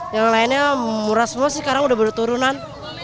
yang lainnya murah semua sih sekarang udah berterunan